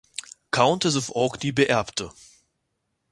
Countess of Orkney beerbte.